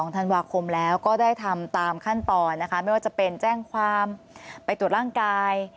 ธันวาคมแล้วก็ได้ทำตามขั้นตอนนะคะไม่ว่าจะเป็นแจ้งความไปตรวจร่างกาย